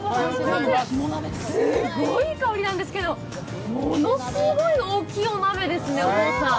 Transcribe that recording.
すごい香りなんですけど、ものすごい大きいお鍋ですね、お父さん。